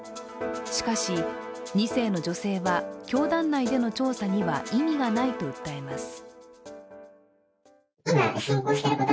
しかし、２世の女性は教団内での調査では意味がないと訴えます。